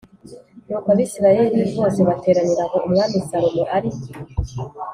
Nuko Abisirayeli bose bateranira aho Umwami Salomo ari